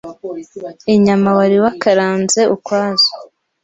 inyama wari wakaranze ukwazo